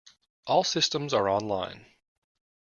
All systems are online.